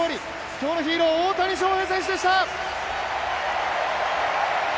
今日のヒーロー、大谷翔平選手でした。